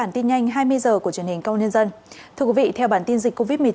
thưa quý vị theo bản tin dịch covid một mươi chín